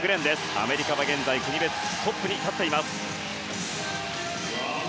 アメリカは現在国別トップに立っています。